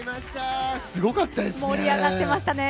すごかったですね。